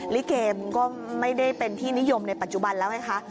ลิเกมก็ไม่ได้เป็นที่นิยมในปัจจุบันแล้วไงคะ